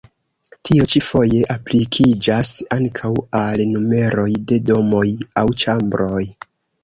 Tio ĉi foje aplikiĝas ankaŭ al numeroj de domoj aŭ ĉambroj.